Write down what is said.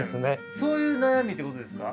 そういう悩みってことですか？